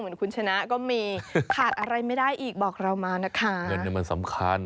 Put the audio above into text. เหมือนคุณชนะก็มีขาดอะไรไม่ได้อีกบอกเรามานะคะเงินเนี่ยมันสำคัญ